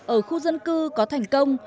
ở khu dân cư có thành công